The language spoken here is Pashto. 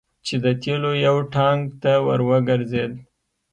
چې د تیلو یو ټانګ ته ور وګرځید.